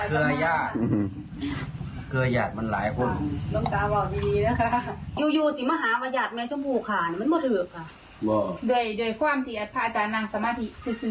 เพราะว่าคู่มือนี้นะแม่แต่ว่าแค้นพระย่านกันยังใส่ว่าไง